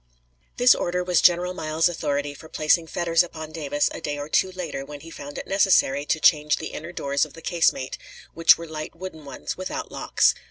] This order was General Miles's authority for placing fetters upon Davis a day or two later, when he found it necessary to change the inner doors of the casemate, which were light wooden ones, without locks.